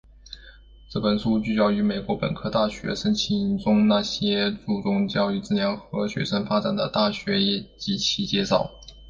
这本书聚焦于美国本科大学申请中那些注重教育质量和学生发展的大学及其介绍。